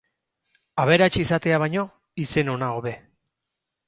Aberats izatea baino, izen ona hobe.